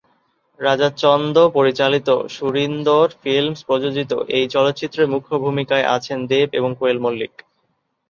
রাজা চন্দ পরিচালিত, সুরিন্দর ফিল্মস প্রযোজিত এই চলচ্চিত্রে মুখ্য ভূমিকায় আছেন দেব এবং কোয়েল মল্লিক।